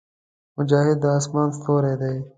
مجاهد د اسمان ستوری دی.